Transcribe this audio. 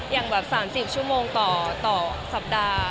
อย่างแบบ๓๐ชั่วโมงต่อสัปดาห์